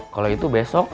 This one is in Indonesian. kalau itu besok